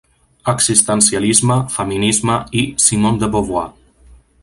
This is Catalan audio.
"Existencialisme, feminisme i Simone de Beauvoir".